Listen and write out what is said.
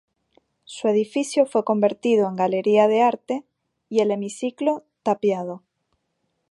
Su edificio fue convertido en galería de arte y el hemiciclo, tapiado.